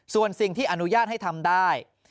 ส่วนสิ่งที่อนุญาตให้ทำได้